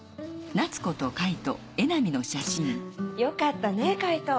よかったね海人。